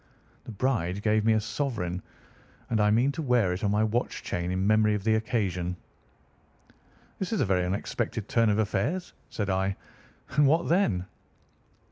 The bride gave me a sovereign, and I mean to wear it on my watch chain in memory of the occasion." "This is a very unexpected turn of affairs," said I; "and what then?"